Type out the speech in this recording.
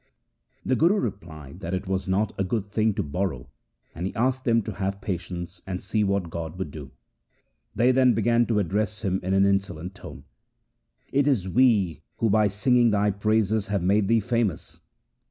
The Guru replied that it was not a good thing to borrow, and he asked them to have patience and see what God would do. They then began to address him in an insolent tone :' It is we who by singing thy praises have made thee famous.